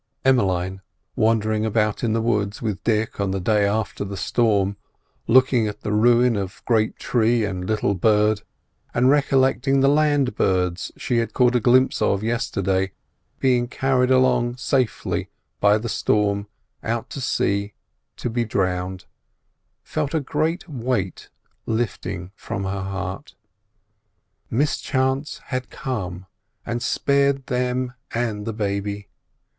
Emmeline, wandering about in the woods with Dick on the day after the storm, looking at the ruin of great tree and little bird, and recollecting the land birds she had caught a glimpse of yesterday being carried along safely by the storm out to sea to be drowned, felt a great weight lifting from her heart. Mischance had come, and spared them and the baby.